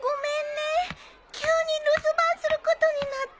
急に留守番することになって。